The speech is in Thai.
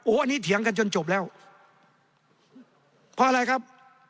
อันนี้เถียงกันจนจบแล้วเพราะอะไรครับ